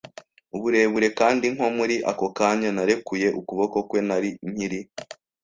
uburebure, kandi nko muri ako kanya, narekuye ukuboko kwe, nari nkiri